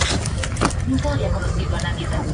Murió en Berkeley, California.